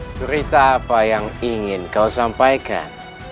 cerita apa yang ingin kau sampaikan